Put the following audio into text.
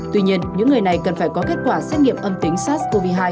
tuy nhiên những người này cần phải có kết quả xét nghiệm âm tính sars cov hai